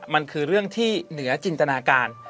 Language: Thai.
มันคือเรื่องที่เหนือจินตนาการ